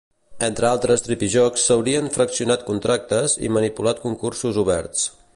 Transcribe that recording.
Entre altres tripijocs, s'haurien fraccionat contractes i manipulat concursos oberts.